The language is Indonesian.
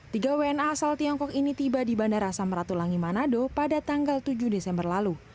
tiga wna asal tiongkok ini tiba di bandara samratulangi manado pada tanggal tujuh desember lalu